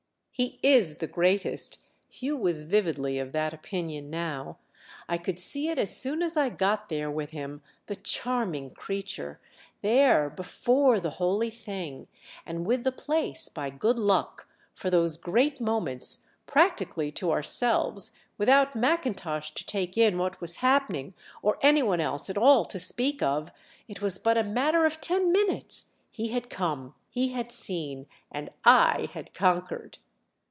"He is the greatest"—Hugh was vividly of that opinion now: "I could see it as soon as I got there with him, the charming creature! There, before the holy thing, and with the place, by good luck, for those great moments, practically to ourselves—without Macintosh to take in what was happening or any one else at all to speak of—it was but a matter of ten minutes: he had come, he had seen, and I had conquered."